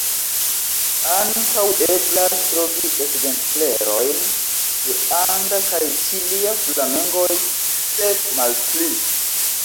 Ankaŭ eblas trovi ekzemplerojn de anda kaj ĉilia flamengoj, sed malpli.